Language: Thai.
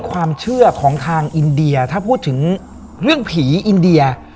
ความเชื่อของทางอินเดียถ้าพูดถึงเรื่องผีอินเดีย